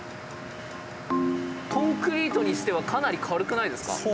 コンクリートにしてはかなり軽くないですか。